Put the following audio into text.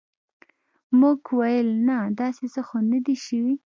موږ ویل نه داسې څه خو نه دي شوي.